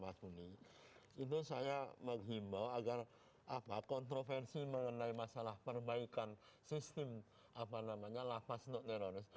itu saya menghimbau agar kontroversi mengenai masalah perbaikan sistem lapas non neuronis